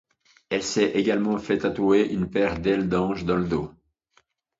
Elle s'est également fait tatouer une paire d'ailes d'anges dans le dos.